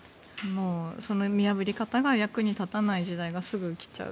その見破り方が役に立たない時代がすぐに来ちゃう。